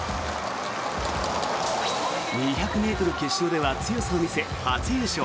２００ｍ決勝では強さを見せ初優勝。